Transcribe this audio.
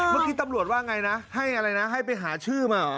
เมื่อกี้ตำรวจว่าไงนะให้อะไรนะให้ไปหาชื่อมาเหรอ